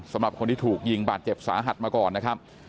สำหรับคนที่ถูกยิงบาดเจ็บสาหัสมาก่อนนะครับ